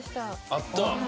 あった。